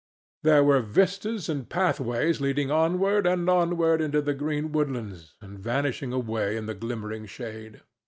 There were vistas and pathways leading onward and onward into the green woodlands and vanishing away in the glimmering shade.